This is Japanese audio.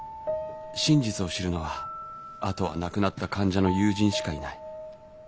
真実を知るのはあとは亡くなった患者の友人しかいない。